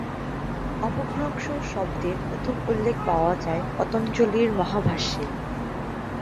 ‘অপভ্রংশ’ শব্দের প্রথম উল্লেখ পাওয়া যায় পতঞ্জলির মহাভাষ্যে।